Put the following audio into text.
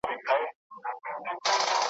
هغه ښار چي تا په خوب کي دی لیدلی `